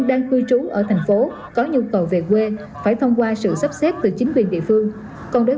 đang cư trú ở thành phố có nhu cầu về quê phải thông qua sự sắp xếp từ chính quyền địa phương còn đối